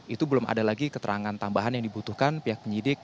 itu belum ada lagi keterangan tambahan yang dibutuhkan pihak penyidik